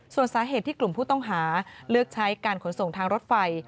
ส่วนสาเหตุที่กลุ่มผู้ต้องหาเลือกใช้การขนส่งทางรถไฟ